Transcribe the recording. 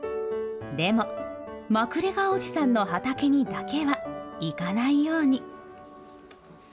でも、マクレガーおじさんの畑にだけは行かないように。